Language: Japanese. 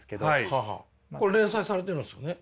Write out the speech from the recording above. これ連載されてるんですよね。